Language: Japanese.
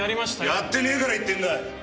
やってねえから言ってんだ！